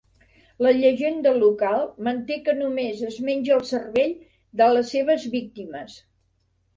La llegenda local manté que només es menja el cervell de les seves víctimes.